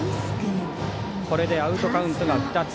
これでアウトカウントが２つ。